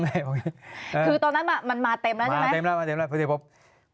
คือตอนนั้นมันมาเต็มแล้วใช่ไหมมาเต็มแล้วเพราะฉะนั้นผม